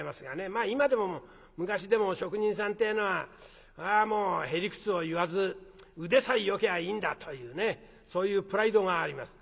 まあ今でも昔でも職人さんってえのはもうへ理屈を言わず腕さえよきゃいいんだというねそういうプライドがあります。